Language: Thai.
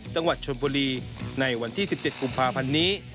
จังหวัดชนบุรีในวันที่๑๗กุมภาพันธ์นี้